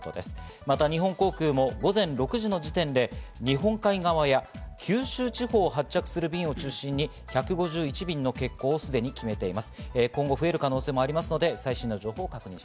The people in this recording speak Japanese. また日本航空も午前６時の時点で日本海側や九州地方を発着する便を中心に１５１便がすでに欠航を決めています。